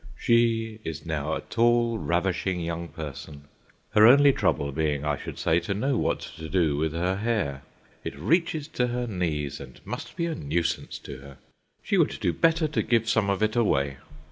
She is now a tall, ravishing young person, her only trouble being, I should say, to know what to do with her hair—it reaches to her knees and must be a nuisance to her. She would do better to give some of it away.